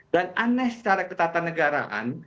dan aneh secara ketatanegaraan